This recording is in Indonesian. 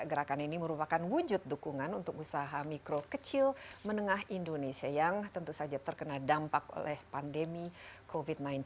gerakan ini merupakan wujud dukungan untuk usaha mikro kecil menengah indonesia yang tentu saja terkena dampak oleh pandemi covid sembilan belas